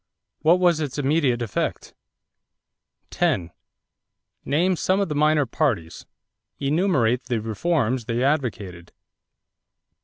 What was its immediate effect? 10. Name some of the minor parties. Enumerate the reforms they advocated.